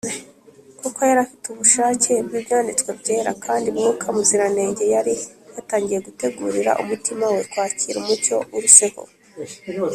kuko yari afite ubushake bw’Ibyanditswe Byera, kandi Mwuka Muziranenge yari yatangiye gutegurira umutima we kwakira umucyo uruseho